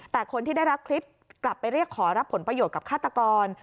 แต่คนที่ได้รับคลิปกลับไปเรียกขอรับผลประโยชน์กับฆาตกร